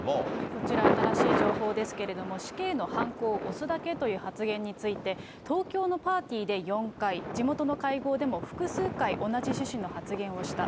こちら、新しい情報ですけれども、死刑のはんこを押すだけという発言について、東京のパーティーで４回、地元の会合でも複数回、同じ趣旨の発言をした。